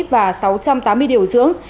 và sáu trăm tám mươi điều dưỡng